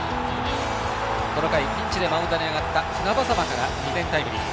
この回ピンチでマウンドに上がった船迫から２点タイムリー。